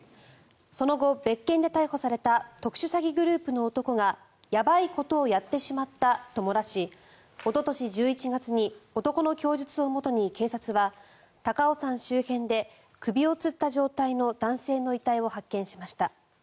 その後、別件で逮捕された特殊詐欺グループの男がやばいことをやってしまったと漏らしおととし１１月に男の供述をもとに、警察は高尾山周辺で首をつった状態の男性の遺体を発見しました。